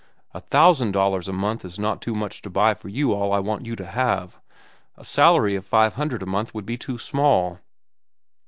A thousand dollars a month is not too much to buy for you all I want you to have. A salary of five hundred a month would be too small.